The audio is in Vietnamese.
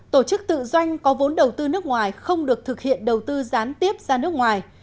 tổ chức tự doanh có vốn đầu tư nước ngoài không được thực hiện đầu tư gián tiếp ra nước ngoài